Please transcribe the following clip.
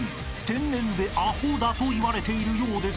天然でアホだといわれているようですが］